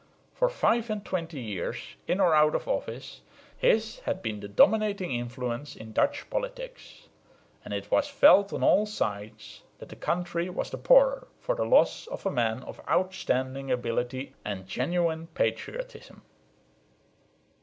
For five and twenty years, in or out of office, his had been the dominating influence in Dutch politics; and it was felt on all sides that the country was the poorer for the loss of a man of outstanding ability and genuine patriotism.